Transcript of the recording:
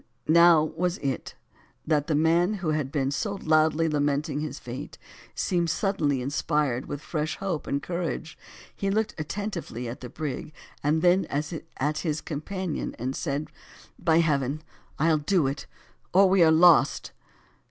Now was it, that the man who had been so loudly lamenting his fate, seemed suddenly inspired with fresh hope and courage, he looked attentively at the brig, then at his companion, and said "by heaven I'll do it, or we are lost!"